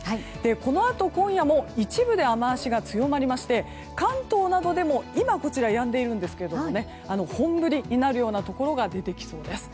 このあと今夜も一部で雨脚が強まりまして関東などでも今、こちらやんでいるんですが本降りになるようなところが出てきそうです。